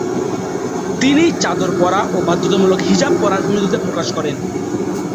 তিনি চাদর পরা ও বাধ্যতামূলক হিজাব পরার বিরোধিতা প্রকাশ করেন।